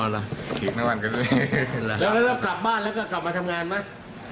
อ๋อแล้วเริ่มกลับบ้านแล้วก็กลับมาทำงานไหม